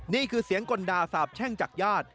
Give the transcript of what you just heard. นี่คือเสียงกลดาสาบแช่งจากญาติ